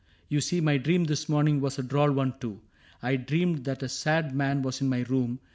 You see My dream this morning was a droll one too: I dreamed that a sad man was in my room.